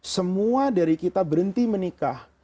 semua dari kita berhenti menikah